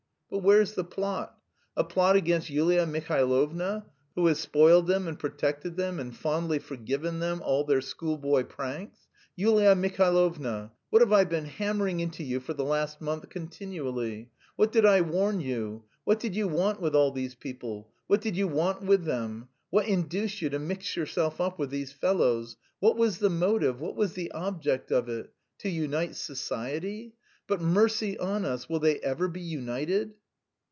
But where's the plot? A plot against Yulia Mihailovna, who has spoiled them and protected them and fondly forgiven them all their schoolboy pranks! Yulia Mihailovna! What have I been hammering into you for the last month continually? What did I warn you? What did you want with all these people what did you want with them? What induced you to mix yourself up with these fellows? What was the motive, what was the object of it? To unite society? But, mercy on us! will they ever be united?"